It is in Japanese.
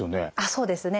そうですね。